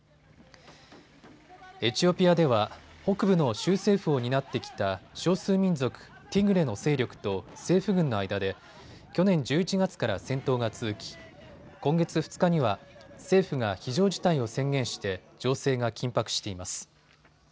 エチオピアでは北部の州政府を担ってきた少数民族ティグレの勢力と政府軍の間で去年１１月から戦闘が続き、今月２日には政府が非常事態を宣言して情勢が緊迫しています。